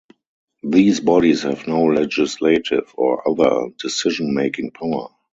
These bodies have no legislative or other decision-making power.